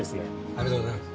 ありがとうございます。